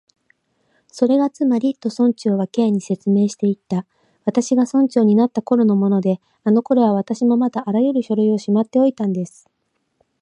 「それがつまり」と、村長は Ｋ に説明していった「私が村長になったころのもので、あのころは私もまだあらゆる書類をしまっておいたんです」